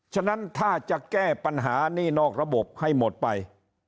ฉะนั้นถ้าจะแก้ปัญหานี่นอกระบบให้หมดไป